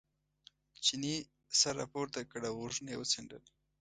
چیني سر را پورته کړ او غوږونه یې وڅنډل.